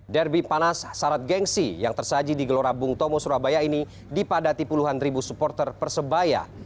derby panas sarat gengsi yang tersaji di gelora bung tomo surabaya ini dipadati puluhan ribu supporter persebaya